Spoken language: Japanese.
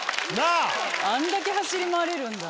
あんだけ走り回れるんだ。